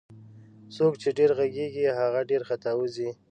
څوک چي ډير ږغږي هغه ډير خطاوزي